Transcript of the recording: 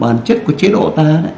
bản chất của chế độ ta